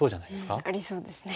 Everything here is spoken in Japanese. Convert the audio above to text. ありそうですね。